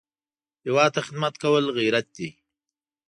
هېواد ته خدمت کول غیرت دی